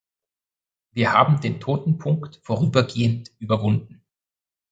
Wir haben den toten Punkt vorübergehend überwunden.